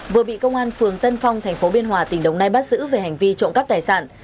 vừa bị công an phường tân phong tp biên hòa tỉnh đồng nai bắt giữ về hành vi trộm cắp tài sản